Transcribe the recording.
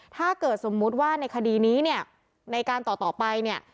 ถ้าเกิดสมมุติว่าในคดีนี้เนี่ยในการต่อต่อไปเนี่ย